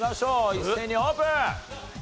一斉にオープン！